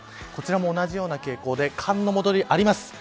こちらも同じような傾向で寒の戻り、あります。